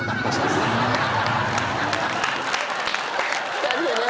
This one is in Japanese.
２人でね。